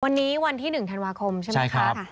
วันนี้วันที่๑ธันวาคมใช่ไหมคะ